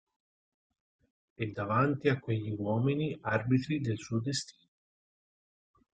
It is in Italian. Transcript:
E davanti a quegli uomini arbitri del suo destino.